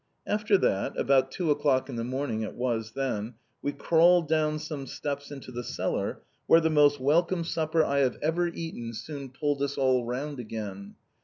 After that (about two o'clock in the morning it was then) we crawled down some steps into the cellar, where the most welcome supper I have ever eaten soon pulled us all round again.